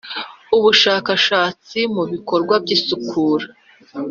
Ubushakashatsi mu bikorwa by isukura